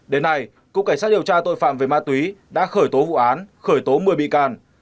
đến nay cục cảnh sát điều tra tội phạm về ma túy đã khởi tố vụ án khởi tố một mươi bị can